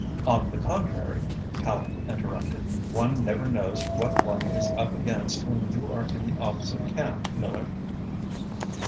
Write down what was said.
"On the contrary," Tallente interrupted, "one never knows what one is up against when you are in the opposite camp, Miller.